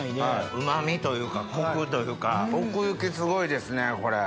うま味というかコクというか奥行きすごいですねこれ。